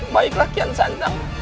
baiklah kian santan